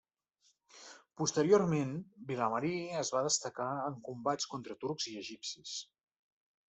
Posteriorment, Vilamarí es va destacar en combats contra turcs i egipcis.